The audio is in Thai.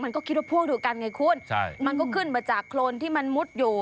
คิดว่าพ่วงเดียวกันไงคุณใช่มันก็ขึ้นมาจากโครนที่มันมุดอยู่